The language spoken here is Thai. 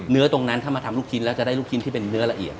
เนื้อตรงนั้นถ้ามาทำลูกชิ้นแล้วจะได้ลูกชิ้นที่เป็นเนื้อละเอียด